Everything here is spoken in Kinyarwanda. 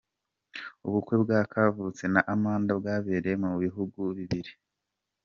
Ubukwe bwa Kavutse na Amanda bwabereye mu bihugu bibiri.